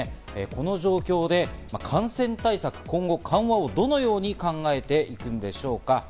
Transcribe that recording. この状況で感染対策の緩和をどのように考えていくんでしょうか？